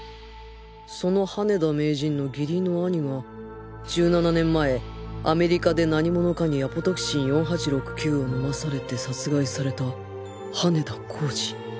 その羽田名人の義理の兄が１７年前アメリカで何者かに ＡＰＴＸ４８６９ を飲まされて殺害された羽田浩司